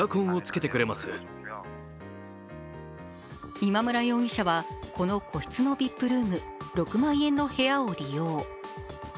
今村容疑者は、この個室のＶＩＰルーム、６万円の部屋を利用。